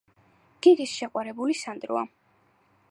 გიგის შეყვარებული სანდროა